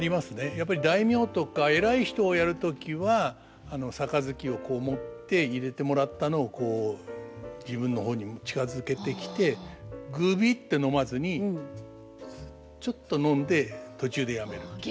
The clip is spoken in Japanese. やっぱり大名とか偉い人をやる時は杯をこう持って入れてもらったのをこう自分の方に近づけてきてぐびって飲まずにちょっと飲んで途中でやめるっていう。